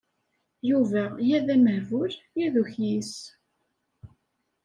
Yuba ya d amehbul, ya d ukyis.